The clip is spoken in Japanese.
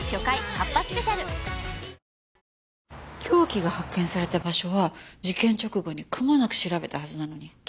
凶器が発見された場所は事件直後にくまなく調べたはずなのに。